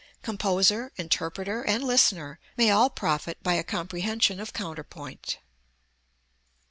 Composer, interpreter and listener may all profit by a comprehension of counterpoint.